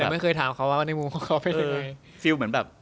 ไม่เคยถามเขาว่าในมุมวังของเขาเป็นเอ้ย